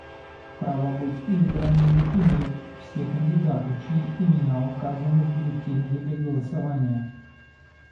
Право быть избранными имеют все кандидаты, чьи имена указаны в бюллетенях для голосования.